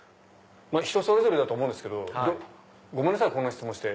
人それぞれだと思うんですけどごめんなさいこんな質問して。